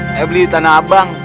ayo beli di tanah abang